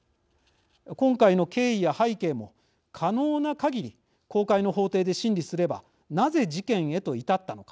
今回の経緯や背景も可能なかぎり公開の法廷で審理すればなぜ事件へと至ったのか。